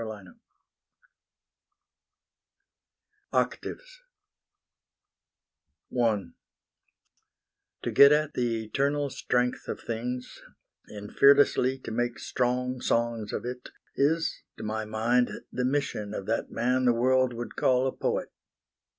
_ Octaves I To get at the eternal strength of things, And fearlessly to make strong songs of it, Is, to my mind, the mission of that man The world would call a poet.